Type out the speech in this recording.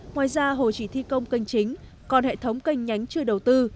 ngoài ra hồ chỉ thi công kênh chính còn hệ thống kênh nhánh chưa đầu tư